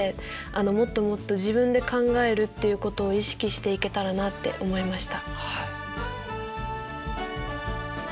もっともっと自分で考えるっていうことを意識していけたらなって思いました。